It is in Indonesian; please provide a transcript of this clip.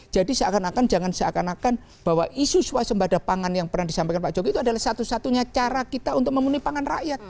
jadi seakan akan jangan seakan akan bahwa isu swasembada pangan yang pernah disampaikan pak jokowi itu adalah satu satunya cara kita untuk memenuhi pangan rakyat